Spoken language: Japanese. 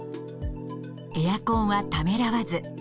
エアコンはためらわず。